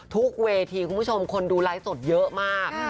ทุกเวทีคุณผู้ชมคนดูไลฟ์สดเยอะมาก